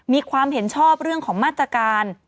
มีความเห็นชอบเรื่องของมาตรการ